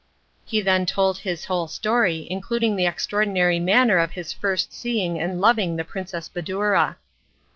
He then told his whole history, including the extraordinary manner of his first seeing and loving the Princess Badoura.